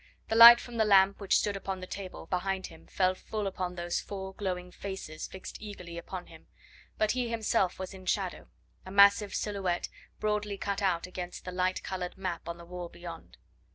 The light from the lamp which stood upon the table behind him fell full upon those four glowing faces fixed eagerly upon him, but he himself was in shadow, a massive silhouette broadly cut out against the light coloured map on the wall beyond.